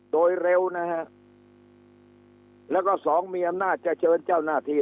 โดยเร็วนะฮะแล้วก็สองมีอำนาจจะเชิญเจ้าหน้าที่